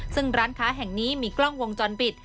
ซึ่งร้านค้าแห่งนี้มีกล้องวงจรปิด